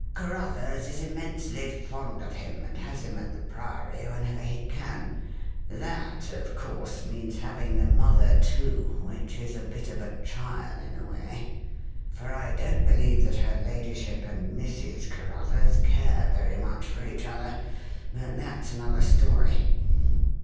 Carruthers is immensely fond of him and has him at the Priory whenever he can. That, of course, means having the mother, too, which is a bit of a trial, in a way, for I don't believe that her ladyship and Mrs. Carruthers care very much for each other. But that's another story.